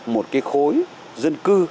một cái khối dân cư